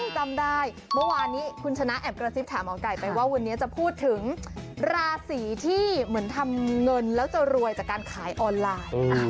จำได้เมื่อวานนี้คุณชนะแอบกระซิบถามหมอไก่ไปว่าวันนี้จะพูดถึงราศีที่เหมือนทำเงินแล้วจะรวยจากการขายออนไลน์